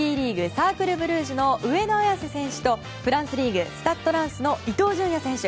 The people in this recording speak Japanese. サークル・ブルージュの上田綺世選手とフランスリーグスタッド・ランスの伊東純也選手